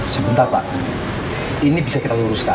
sebentar pak ini bisa kita luruskan